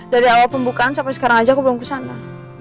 dari awal pembukaan sampai sekarang aja aku belum kesana